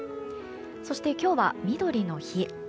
そして、今日はみどりの日。